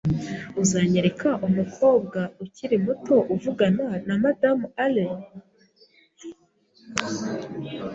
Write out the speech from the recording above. Uzanyereka umukobwa ukiri muto uvugana na Madamu Allen?